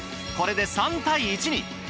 これで３対１に。